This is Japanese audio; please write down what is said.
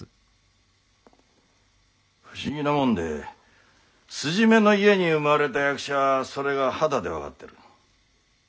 不思議なもんで筋目の家に生まれた役者はそれが肌で分かってる。